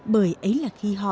bởi ấy là khi họ